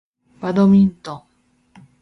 Badminton.